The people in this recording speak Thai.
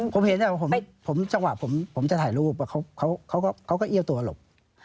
ผมเห็นจังหวะผมจะถ่ายรูปเขาก็เอี้ยวตัวหลบ